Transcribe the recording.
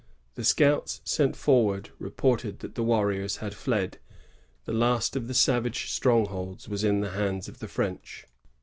The scouts sent forward reported that the warriors had fled. The last of the savage strong* holds was in the hands of the French.